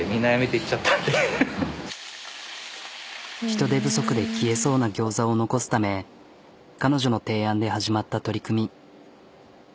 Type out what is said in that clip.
人手不足で消えそうなギョーザを残すため彼女の提案で始まった取り組み。